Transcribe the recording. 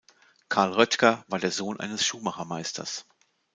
Karl Röttger war der Sohn eines Schuhmachermeisters.